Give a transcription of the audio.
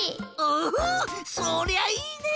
おおそりゃいいね！